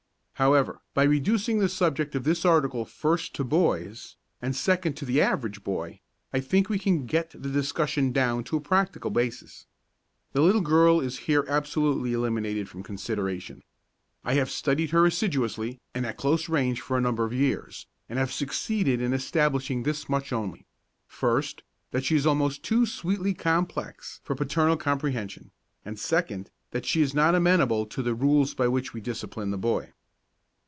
However, by reducing the subject of this article first to boys, and second to the average boy, I think we can get the discussion down to a practicable basis. The little girl is here absolutely eliminated from consideration. I have studied her assiduously and at close range for a number of years and have succeeded in establishing this much only; first, that she is almost too sweetly complex for paternal comprehension, and second, that she is not amenable to the rules by which we discipline the boy.